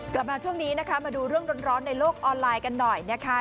กลับมาช่วงนี้นะคะมาดูเรื่องร้อนในโลกออนไลน์กันหน่อยนะคะ